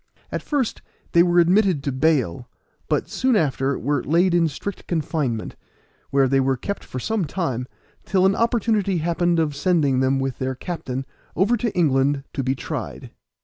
At first they were admitted to bail, but soon after were laid in strict confinement, where they were kept for some time, till an opportunity happened of sending them with their captain over to England to be tried.